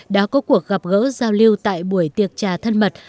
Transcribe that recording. đã có cuộc gặp gỡ giao lưu tại buổi tiệc trà thân mật